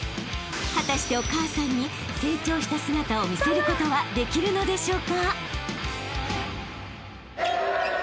［果たしてお母さんに成長した姿を見せることはできるのでしょうか？］